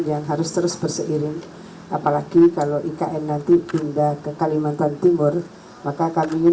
yang harus terus berseiring apalagi kalau ikn nanti pindah ke kalimantan timur maka kami ingin